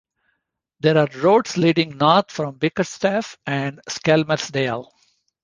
There are roads leading north from Bickerstaffe and Skelmersdale.